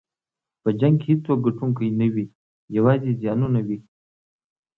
په جنګ کې هېڅوک ګټونکی نه وي، یوازې زیانونه وي.